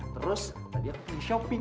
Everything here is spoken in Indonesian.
terus tadi aku shopping